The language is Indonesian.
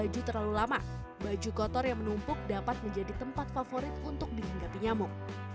baju terlalu lama baju kotor yang menumpuk dapat menjadi tempat favorit untuk dihinggapi nyamuk